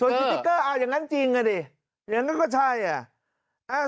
สติ๊กเกอร์เอาอย่างนั้นจริงอ่ะดิอย่างนั้นก็ใช่อ่ะ